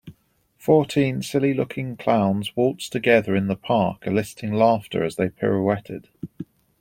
Fourteen silly looking clowns waltzed together in the park eliciting laughter as they pirouetted.